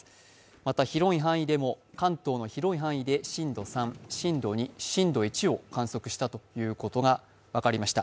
また関東の広い範囲で震度３、震度２、震度１を観測したということが分かりました。